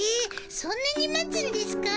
そんなに待つんですかぁ？